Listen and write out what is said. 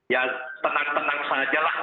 ya tenang tenang saja lah